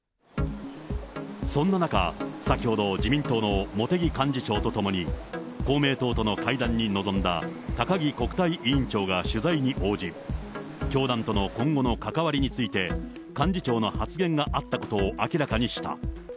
そんな中、先ほど自民党の茂木幹事長と共に、公明党との会談に臨んだ高木国対委員長が取材に応じ、教団との今後の関わりについて、幹事長の発言があったことを明らかにした。